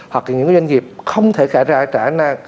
hoặc những doanh nghiệp không thể trả ra